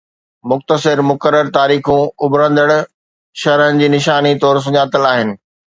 مختصر مقرر تاريخون اڀرندڙ شرحن جي نشاني طور سڃاتل آھن